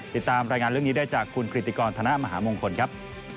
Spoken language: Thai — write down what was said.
ติดตามรายงานเรื่องนี้ได้จากคุณกริติกรธนมหามงคลครับ